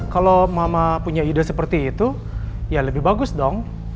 kalau mama punya ide seperti itu ya lebih bagus dong